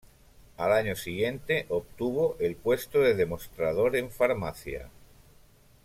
Al año siguiente obtuvo el puesto de demostrador en farmacia.